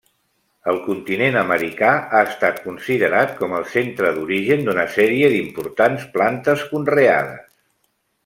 El continent americà ha estat considerat com el centre d'origen d'una sèrie d'importants plantes conreades.